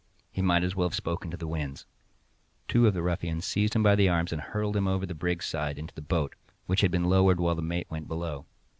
He might as well have spoken to the winds. Two of the ruffians seized him by the arms and hurled him over the brig's side into the boat, which had been lowered while the mate went below.